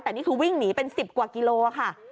แต่นี่คือวิ่งหนีเป็น๑๐กว่ากิโลค่ะ